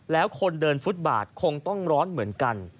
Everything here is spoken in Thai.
แล้วคนเดินฟุตบาทคงต้องร้อนเหมือนกัน